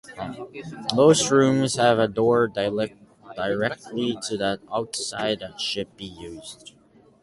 most rooms have a door directly to the outside that should be used.